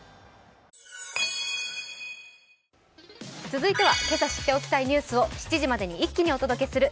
続いては、今朝知っておきたいニュースを７時までに一気にお届けする。